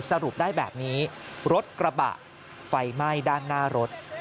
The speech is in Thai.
สรุปได้แบบนี้รถกระบะไฟไหม้ด้านหน้ารถ